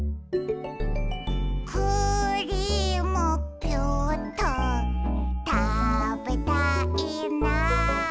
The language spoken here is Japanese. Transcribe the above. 「クリームピューっとたべたいな」